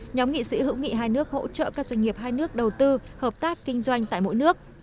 nhóm nghị sĩ hữu nghị hai nước hỗ trợ các doanh nghiệp hai nước đầu tư hợp tác kinh doanh tại mỗi nước